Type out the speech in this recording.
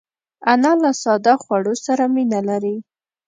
انا له ساده خوړو سره مینه لري